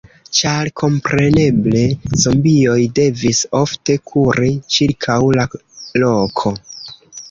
Ĉar kompreneble, zombioj devis ofte kuri ĉirkaŭ la loko...